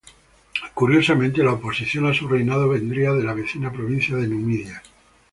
Curiosamente la oposición a su reinado vendría de la vecina provincia de Numidia.